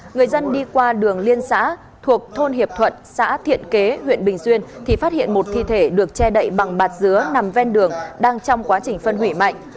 người dân đi qua đường liên xã thuộc thôn hiệp thuận xã thiện kế huyện bình xuyên thì phát hiện một thi thể được che đậy bằng bạt dứa nằm ven đường đang trong quá trình phân hủy mạnh